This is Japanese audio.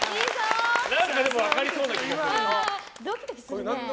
何かでも分かりそうな気がする。